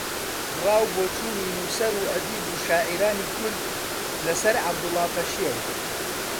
ڕاو بۆچوونی نووسەر و ئەدیب و شاعیرانی کورد لە سەر عەبدوڵڵا پەشێو